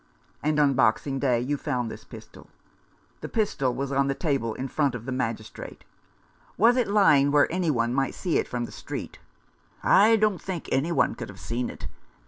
" And on Boxing Day you found this pistol ?" The pistol was on the table in front of the Magistrate. "Was it lying where any one might see it from the street ?" "I don't think any one could have seen it.